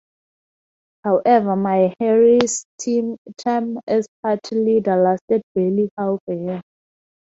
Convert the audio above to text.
However, Maehara's term as party leader lasted barely half a year.